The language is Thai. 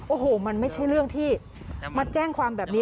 โอ้โหมันไม่ใช่เรื่องที่มาแจ้งความแบบนี้